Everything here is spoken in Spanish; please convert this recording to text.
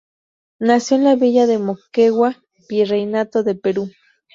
Nació en la Villa de Moquegua, Virreinato del Perú.